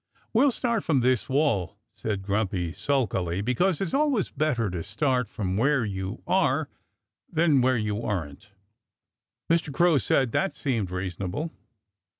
"We'll start from this wall," said Grumpy sulkily, "because it's always better to start from where you are than where you aren't." Mr. Crow said that that seemed reasonable.